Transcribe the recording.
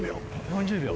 ４０秒。